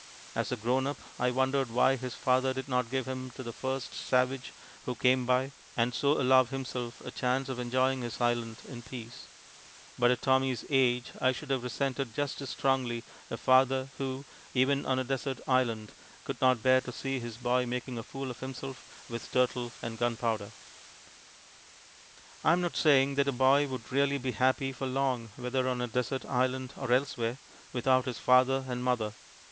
As a grown up I wondered why his father did not give him to the first savage who came by, and so allow himself a chance of enjoying his island in peace; but at Tommy's age I should have resented just as strongly a father who, even on a desert island, could not bear to see his boy making a fool of himself with turtle and gunpowder. I am not saying that a boy would really be happy for long, whether on a desert island or elsewhere, without his father and mother.